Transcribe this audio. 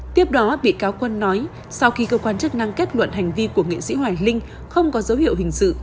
tiếp đó bị cáo quân nói sau khi cơ quan chức năng kết luận hành vi của nghệ sĩ hoài linh không có dấu hiệu hình sự